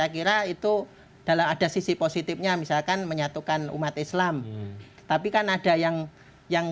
kira itu dalam ada sisi positifnya misalkan menyatukan umat islam tapi kan ada yang yang